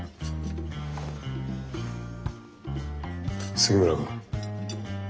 杉村君。